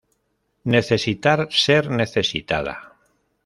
Necesitar ser necesitada.